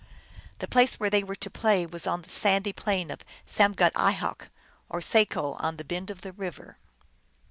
The place where they were to play was on the sandy plain of Samgadihawk, or Saco, on the bend of the river.